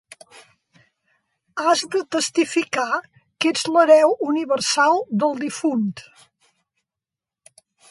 Has de testificar que ets l'hereu universal del difunt.